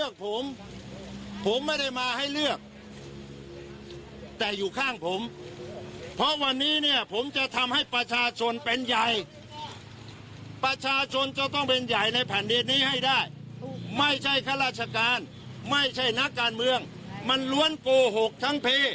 การเมืองมันล้วนโกหกทั้งเพศสถานีที่สี่สถานีเงินทร